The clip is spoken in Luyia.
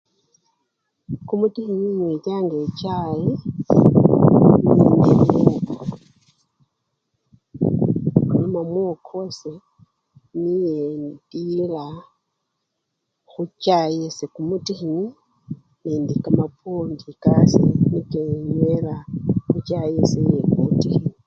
Kumutikhinyi enywechanga echayi nende! nalima mwoko wase niye endila khuchayi yase kumutikhinyi nende kamapwondi kase niko enywela khuchayi yase yekumutikhinyi.